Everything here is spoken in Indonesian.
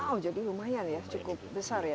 oh jadi lumayan ya cukup besar ya